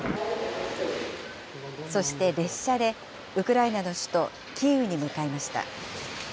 そして列車でウクライナの首都キーウに向かいました。